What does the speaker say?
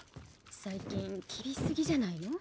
最近厳しすぎじゃないの？